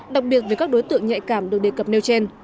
đặc biệt với các đối tượng nhạy cảm được đề cập nêu trên